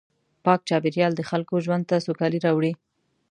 پاک چاپېریال د خلکو ژوند ته سوکالي راوړي.